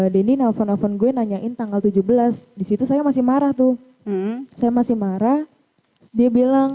denny nelfon nelfon gue nanyain tanggal tujuh belas disitu saya masih marah tuh saya masih marah dia bilang